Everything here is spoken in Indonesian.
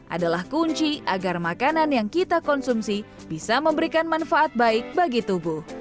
adalah kunci agar makanan yang kita konsumsi bisa memberikan manfaat baik bagi tubuh